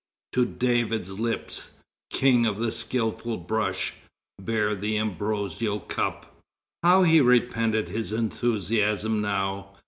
To David's lips, King of the skilful brush, Bear the ambrosial cup. How he repented his enthusiasm now!